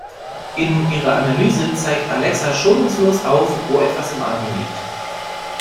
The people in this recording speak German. In ihrer Analyse zeigt Alexa schonungslos auf, wo etwas im Argen liegt.